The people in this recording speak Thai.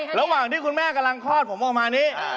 ระหว่างที่คุณแม่กำลังคลอดผมออกมานี้